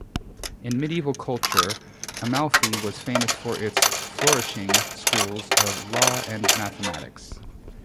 In medieval culture Amalfi was famous for its flourishing schools of law and mathematics.